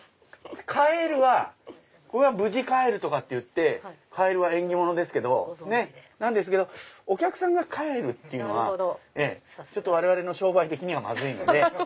カエルは「無事帰る」ってカエルは縁起物ですけど「お客さんが帰る」っていうのは我々の商売的にはまずいので。